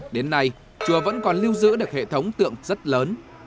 đến nay chùa vẫn còn lưu giữ được hệ thống tượng rất lớn